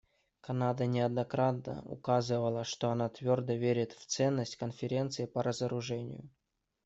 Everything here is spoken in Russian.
Канада неоднократно указывала, что она твердо верит в ценность Конференции по разоружению.